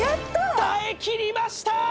耐え切りましたー！